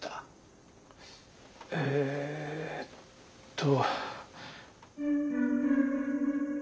えっと。